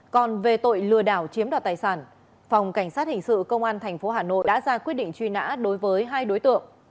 còn về tội lừa đảo chiếm đoạt tài sản phòng cảnh sát hình sự công an tp hà nội đã ra quyết định truy nã đối với hai đối tượng